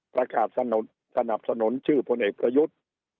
ประกาศสนับสนุนชื่อผลเอกประยุทธ์